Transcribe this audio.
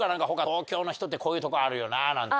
東京の人ってこういうとこあるよななんて。